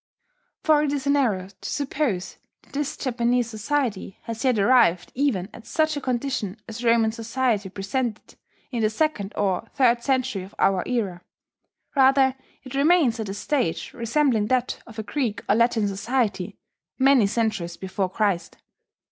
For it is an error to suppose that this Japanese society has yet arrived even at such a condition as Roman society presented in the second or third century of our era. Rather it remains at a stage resembling that of a Greek or Latin society many centuries before Christ.